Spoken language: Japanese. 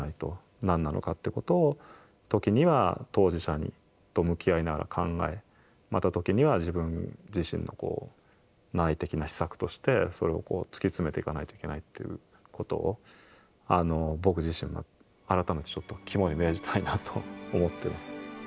何なのかってことを時には当事者と向き合いながら考えまた時には自分自身の内的な思索としてそれを突き詰めていかないといけないっていうことを僕自身も改めてちょっと肝に銘じたいなと思ってます。